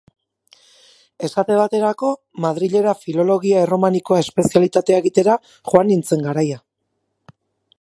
Esate baterako, Madrilera Filologia Erromanikoa espezialitatea egitera joan nintzen garaia.